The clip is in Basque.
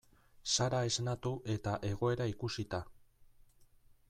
Sara esnatu eta egoera ikusita.